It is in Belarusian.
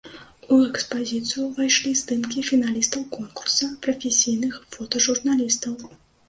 У экспазіцыю ўвайшлі здымкі фіналістаў конкурса прафесійных фотажурналістаў.